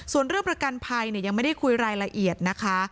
ส่วนเรื่องประกันภัยยังไม่ได้คุยรายละเอียดนะคะ